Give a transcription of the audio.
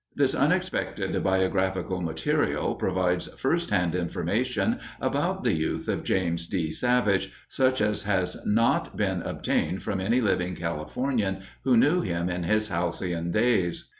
This unexpected biographical material provides firsthand information about the youth of James D. Savage such as has not been obtained from any living Californian who knew him in his halcyon days.